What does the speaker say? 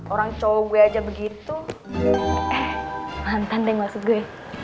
orang cowok aja begitu eh mantan deh maksud gue